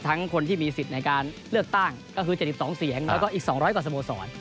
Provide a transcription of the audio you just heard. คนที่มีสิทธิ์ในการเลือกตั้งก็คือ๗๒เสียงแล้วก็อีก๒๐๐กว่าสโมสร